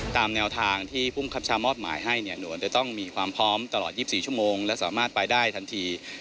ตามแนวทางที่ภูมิคับชามอบหมายให้เนี่ยหนวลจะต้องมีความพร้อมตลอด๒๔ชั่วโมงและสามารถไปได้ทันที